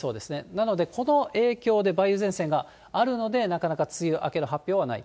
なので、この影響で梅雨前線があるので、なかなか梅雨明けの発表はない。